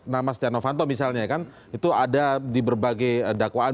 nama stiano fanto misalnya ya kan itu ada di berbagai dakwaan